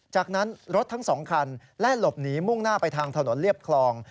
จากนั้นรถทั้ง๒คันแล่นหลบหนีมุ่งหน้าไปทางถนนเรียบคลอง